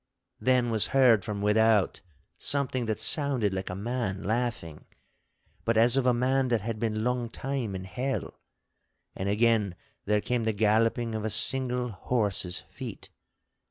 Then was heard from without something that sounded like a man laughing—but as of a man that had been longtime in hell—and again there came the galloping of a single horse's feet.